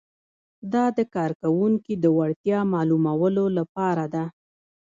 دا د کارکوونکي د وړتیا معلومولو لپاره ده.